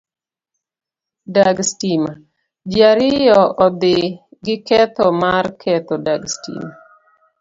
Dag stima- ji ariyo ondhi giketho mar ketho dag stima